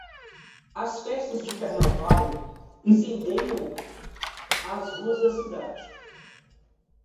As festas de carnaval incendeiam as ruas da cidade.